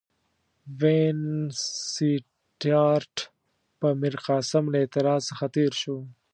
وینسیټیارټ پر میرقاسم له اعتراض څخه تېر شو.